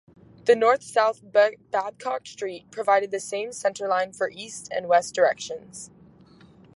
The north-south Babcock Street provided the same centerline for "east" and "west" directions.